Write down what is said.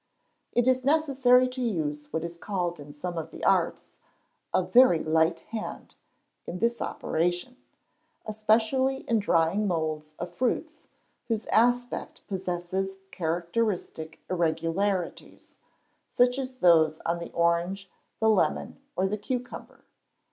It is necessary to use what is called in some of the arts "a very light hand" in this operation, especially in drying moulds of fruits whose aspect possesses characteristic irregularities such as those on the orange, the lemon, or the cucumber.